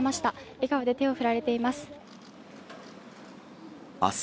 笑顔で手を振られています。